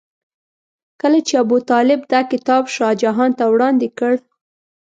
کله چې ابوطالب دا کتاب شاه جهان ته وړاندې کړ.